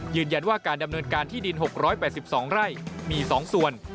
ยืนยันว่าการดำเนินการที่ดิน๖๘๒ไร่มี๒ส่วน